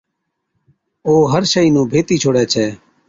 او هر شئِي نُون ڀيتِي ڇوڙَي ڇَي۔